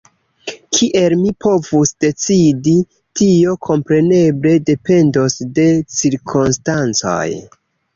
Kiel mi povus decidi, tio kompreneble dependos de cirkonstancoj.